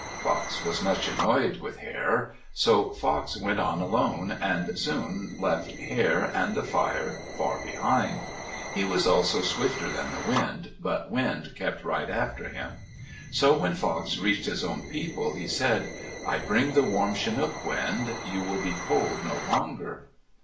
Fox was much annoyed with Hare. So Fox went on alone and soon left Hare and the fire far behind. He was also swifter than the wind, but wind kept right after him. So when Fox reached his own people, he said, "I bring the warm chinook wind. You will be cold no longer."